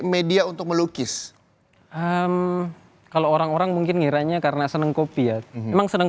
media untuk melukis kalau orang orang mungkin ngiranya karena seneng kopi ya emang seneng